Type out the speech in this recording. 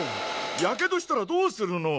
やけどしたらどうするの！